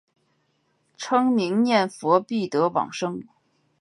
称名念佛必得往生。